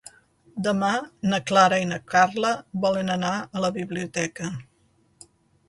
Demà na Clara i na Carla volen anar a la biblioteca.